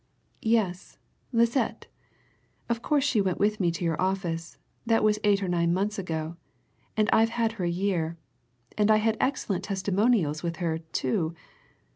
"Yes Lisette. Of course she went with me to your office that was eight or nine months ago, and I've had her a year. And I had excellent testimonials with her, too.